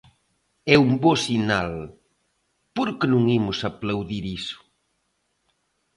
É un bo sinal, ¿por que non imos aplaudir iso?